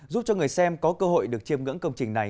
giúp cho người xem có cơ hội được chiêm ngưỡng công trình này